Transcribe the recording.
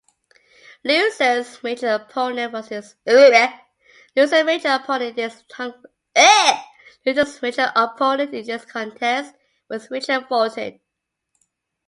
Loser's major opponent in this contest was Richard Fulton.